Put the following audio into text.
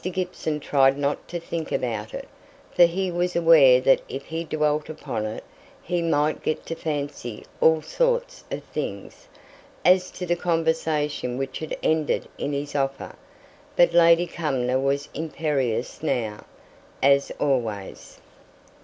Gibson tried not to think about it, for he was aware that if he dwelt upon it, he might get to fancy all sorts of things, as to the conversation which had ended in his offer. But Lady Cumnor was imperious now, as always.